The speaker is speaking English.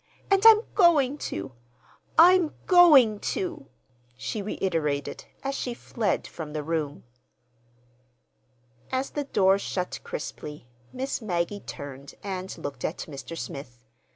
And I'm going to—I'm going to!" she reiterated, as she fled from the room. As the door shut crisply, Miss Maggie turned and looked at Mr. Smith.